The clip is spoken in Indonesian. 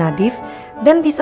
pagi rara yucin